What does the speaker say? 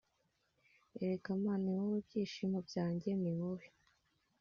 Erega ma niwowe ibyishimo byanjye niwowe